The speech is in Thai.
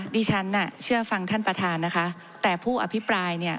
ดิฉันเชื่อฟังท่านประธานนะคะแต่ผู้อภิปรายเนี่ย